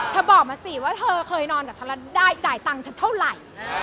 บอกมาสิว่าเธอเคยนอนกับฉันแล้วได้จ่ายตังค์ฉันเท่าไหร่